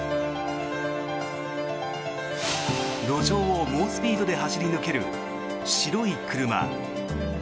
路上を猛スピードで走り抜ける白い車。